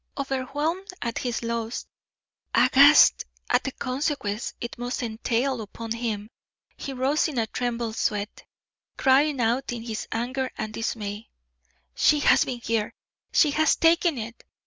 Overwhelmed at his loss, aghast at the consequences it must entail upon him, he rose in a trembling sweat, crying out in his anger and dismay: "She has been here! She has taken it!"